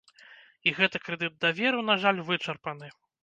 І гэты крэдыт даверу, на жаль, вычарпаны.